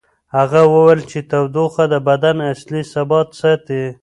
هغه وویل چې تودوخه د بدن اصلي ثبات ساتي.